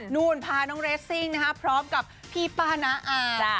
นู่นพาน้องเรสซิ่งนะฮะพร้อมกับพี่ป้าน้าอาจ